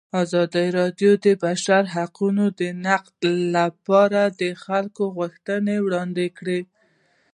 ازادي راډیو د د بشري حقونو نقض لپاره د خلکو غوښتنې وړاندې کړي.